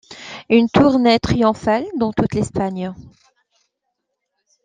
Une tournée triomphale dans toute l'Espagne.